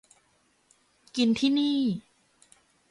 กินที่นี่